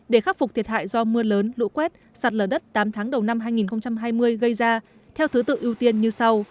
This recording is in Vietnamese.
để khắc phục thiệt hại do mưa lớn lũ quét sạt lở đất tám tháng đầu năm hai nghìn hai mươi gây ra theo thứ tự ưu tiên như sau